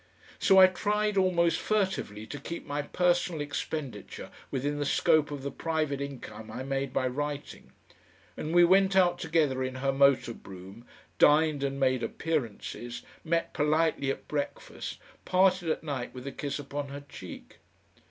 So I tried almost furtively to keep my personal expenditure within the scope of the private income I made by writing, and we went out together in her motor brougham, dined and made appearances, met politely at breakfast parted at night with a kiss upon her cheek.